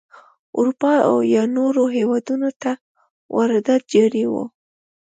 اروپا یا نورو هېوادونو ته واردات جاري وو.